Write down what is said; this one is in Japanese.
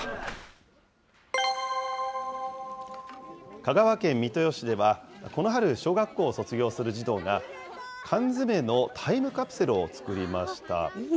香川県三豊市では、この春、小学校を卒業する児童が、缶詰のタイムカプセルを作りました。